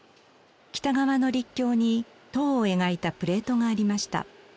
北側の陸橋に塔を描いたプレートがありました。